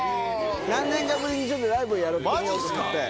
何年かぶりにちょっとライブをやってみようと思って。